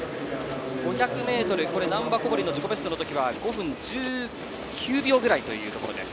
５００ｍ難波、小堀の自己ベストの時は５分１９秒ぐらいというところ。